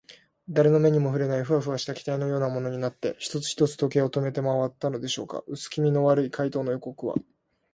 だれの目にもふれない、フワフワした気体のようなものになって、一つ一つ時計を止めてまわったのでしょうか。うすきみの悪い怪盗の予告は、